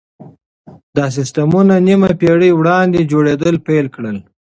دا سيستمونه نيمه پېړۍ وړاندې جوړېدل پيل کړل.